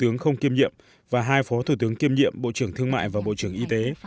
thủ tướng không kiêm nhiệm và hai phó thủ tướng kiêm nhiệm bộ trưởng thương mại và bộ trưởng y tế